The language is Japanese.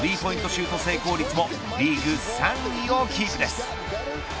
シュート成功率もリーグ３位をキープです。